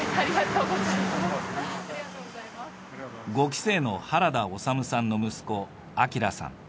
５期生の原田修さんの息子明さん。